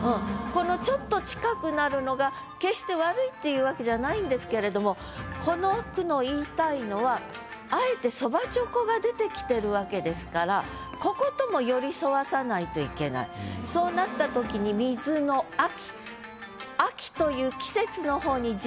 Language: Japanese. このちょっと近くなるのが決して悪いっていうわけじゃないんですけれどもこの句の言いたいのはあえて「蕎麦猪口」が出てきてるわけですからここともそうなった時に「水の秋」。